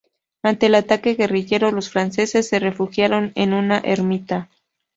Ante el ataque guerrillero, los franceses se refugiaron en una ermita.